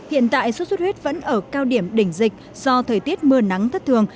hiện tại suốt suốt huyết vẫn ở cao điểm đỉnh dịch do thời tiết mưa nắng thất thường